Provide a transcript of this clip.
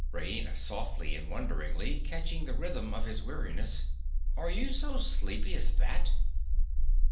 RAINA. (softly and wonderingly, catching the rhythm of his weariness). Are you so sleepy as that?